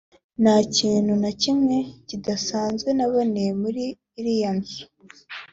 “Nta kintu na kimwe kidasanzwe naboneye muri iriya nzu